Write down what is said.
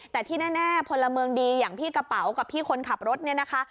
แต่ที่แน่พลเมืองดีอย่างพี่กระเป๋ากับพี่คนขับรถเนี่ยนะคะ